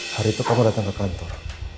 hari itu kamu datang ke kantor